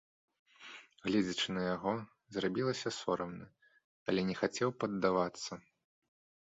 Гледзячы на яго, зрабілася сорамна, але не хацеў паддавацца.